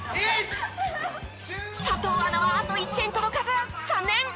佐藤アナはあと１点届かず残念！